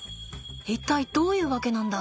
一体どういうわけなんだ。